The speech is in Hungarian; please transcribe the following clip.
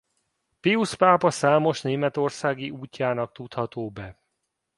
Piusz pápa számos németországi útjának tudható be.